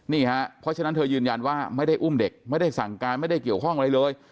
เพราะฉะนั้นเธอยืนยันว่าไม่ได้อุ้มเด็กไม่ได้สั่งการไม่ได้เกี่ยวข้องอะไรเลย